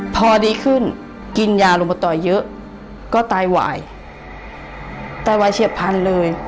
พอดีขึ้นกินยาลงมาต่อยเยอะก็ตายหวายตายวายเฉียบพันธุ์เลย